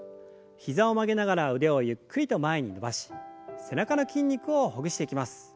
膝を曲げながら腕をゆっくりと前に伸ばし背中の筋肉をほぐしていきます。